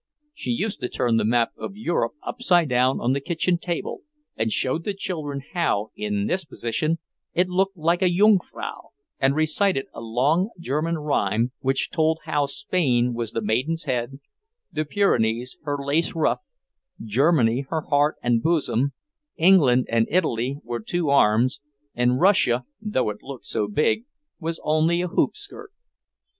She used to turn the map of Europe upside down on the kitchen table and showed the children how, in this position, it looked like a jungfrau; and recited a long German rhyme which told how Spain was the maiden's head, the Pyrenees her lace ruff, Germany her heart and bosom, England and Italy were two arms, and Russia, though it looked so big, was only a hoopskirt.